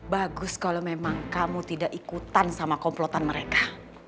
bagus kalau memang kamu tidak ikutan sama komplotan mereka